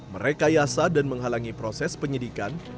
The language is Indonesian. merekayasa dan menghalangi proses penyidikan